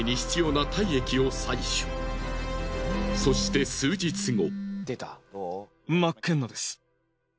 そして数日後。